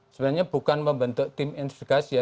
sebenarnya bukan membentuk tim investigasi ya